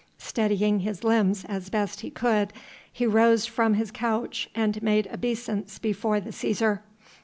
Steadying his limbs as best he could, he rose from his couch and made obeisance before the Cæsar.